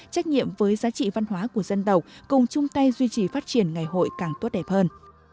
trách nhiệm với giá trị văn hóa của dân đầu cùng chung tay duy trì phát triển ngày hội càng tốt đẹp hơn